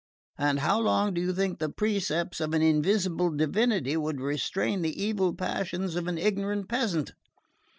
And how long do you think the precepts of an invisible divinity would restrain the evil passions of an ignorant peasant?